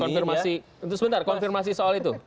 kita konfirmasi sebentar konfirmasi soal itu